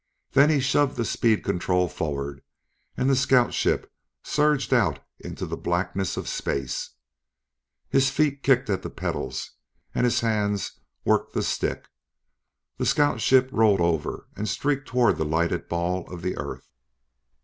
Then he shoved the speed control forward and the scout ship surged out into the blackness of space. His feet kicked at the pedals and his hands worked the stick. The scout ship rolled over and streaked toward the lighted ball of the earth.